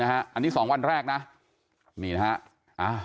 อันนี้๒วันแรกนะนี่นะฮะ